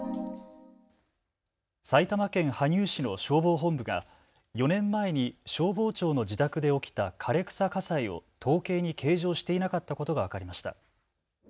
埼玉県羽生市の消防本部が４年前に消防長の自宅で起きた枯れ草火災を統計に計上していなかったことが分かりました。